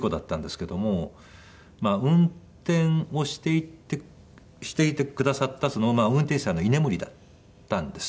運転をしていてくださった運転手さんの居眠りだったんです。